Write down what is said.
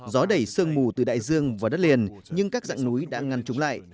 gió đẩy sương mù từ đại dương vào đất liền nhưng các dạng núi đã ngăn chúng lại